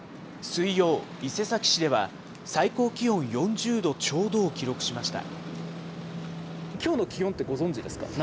水曜、伊勢崎市では最高気温４０度ちょうどを記録しました。